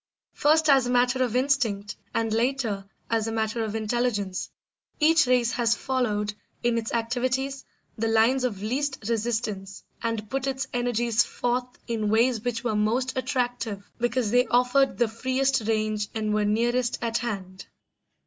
First as a matter of instinct, and later as a matter of intelligence, each race has followed, in its activities, the lines of least resistance, and put its energies forth in ways which were most attractive because they offered the freest range and were nearest at hand.